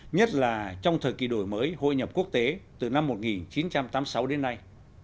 nhất là trong thời kỳ đổi mới hội nhập quốc tế từ năm một nghìn chín trăm tám mươi sáu đến nay